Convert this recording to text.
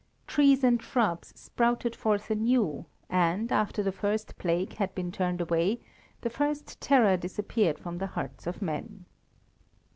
Trees and shrubs sprouted forth anew, and, after the first plague had been turned away, the first terror disappeared from the hearts of men.